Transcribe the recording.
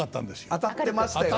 当たってましたよ。